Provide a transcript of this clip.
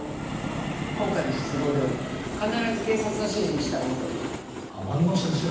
今回の出動では必ず警察の指示に従うこと天沼先生？